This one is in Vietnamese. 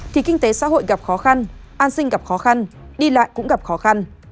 thì kinh tế xã hội gặp khó khăn an sinh gặp khó khăn đi lại cũng gặp khó khăn